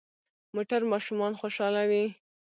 موټر ماشومان خوشحالوي.